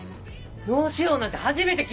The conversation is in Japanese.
脳腫瘍なんて初めて聞いたぞ！